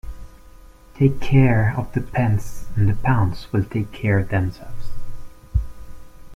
Take care of the pence and the pounds will take care of themselves.